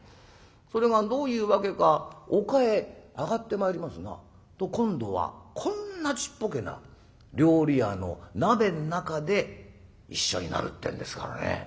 それがどういうわけかおかへ上がってまいりますな。と今度はこんなちっぽけな料理屋の鍋ん中で一緒になるってんですからね。